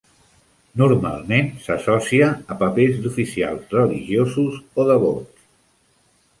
Normalment s'associa a papers d'oficials religiosos o devots.